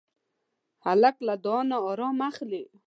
هلک له دعا نه ارام اخلي.